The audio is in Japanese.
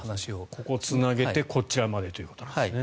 ここをつなげてこちらまでということですね。